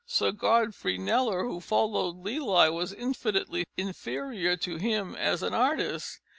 Sir Godfrey Kneller, who followed Lely, was infinitely inferior to him as an artist.